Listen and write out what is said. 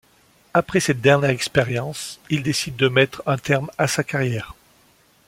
Après cette dernière expérience, il décide de mettre un terme à sa carrière.